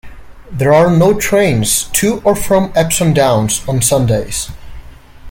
There are no trains to or from Epsom Downs on Sundays.